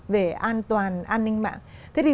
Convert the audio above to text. về an toàn an ninh mạng thế thì